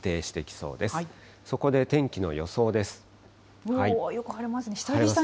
そこで天気の予想です。